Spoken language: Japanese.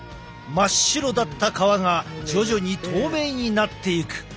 真っ白だった皮が徐々に透明になっていく。